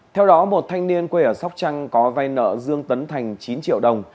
theo đó một thanh niên quê ở sóc trăng có vay nợ dương tấn thành chín triệu đồng